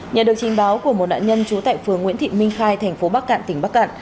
nhờ được trình báo của một nạn nhân trú tại phường nguyễn thị minh khai thành phố bắc cạn tỉnh bắc cạn